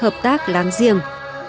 hợp tác láng giềng